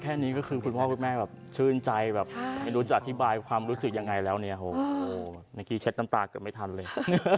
แค่นี้ก็คือคุณพ่อคุณแม่แบบชื่นใจแบบไม่รู้จะอธิบายความรู้สึกยังไงแล้วเนี่ยเมื่อกี้เช็ดน้ำตาเกือบไม่ทันเลย